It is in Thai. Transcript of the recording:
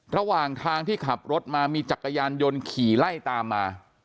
ระหว่างทางที่ขับรถมามีจักรยานยนต์ขี่ไล่ตามมา